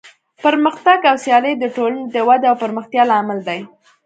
پرمختګ او سیالي د ټولنې د ودې او پرمختیا لامل دی.